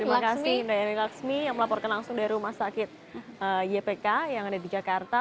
terima kasih mbak yani laksmi yang melaporkan langsung dari rumah sakit ypk yang ada di jakarta